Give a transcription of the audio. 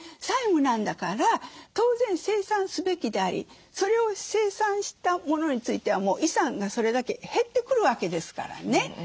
債務なんだから当然清算すべきでありそれを清算したものについては遺産がそれだけ減ってくるわけですからね。